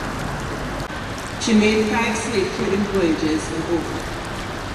She made five slave trading voyages in all.